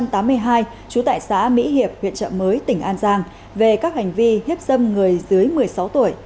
trú tại xã mỹ hiệp huyện trợ mới tỉnh an giang về các hành vi hiếp dâm người dưới một mươi sáu tuổi